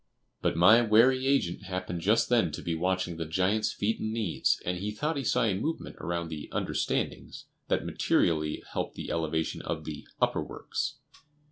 But my wary agent happened just then to be watching [Illustration: "THE LONG AND SHORT OF IT."] the giant's feet and knees, and he thought he saw a movement around the "understandings" that materially helped the elevation of the "upperworks."